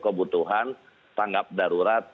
kebutuhan tanggap darurat